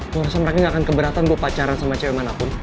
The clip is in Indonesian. lu rasanya gak akan keberatan gue pacaran sama cewek manapun